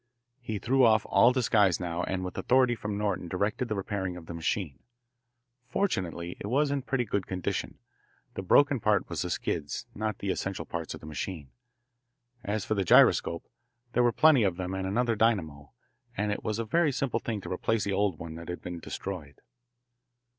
He threw off all disguise now and with authority from Norton directed the repairing of the machine. Fortunately it was in pretty good condition. The broken part was the skids, not the essential parts of the machine. As for the gyroscope, there were plenty of them and another dynamo, and it was a very simple thing to replace the old one that had been destroyed.